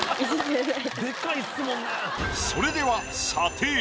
それでは査定。